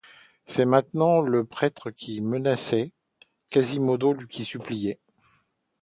C’était maintenant le prêtre qui menaçait, Quasimodo qui suppliait.